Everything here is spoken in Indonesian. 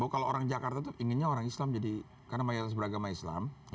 kalau orang jakarta itu inginnya orang islam jadi karena mayoritas beragama islam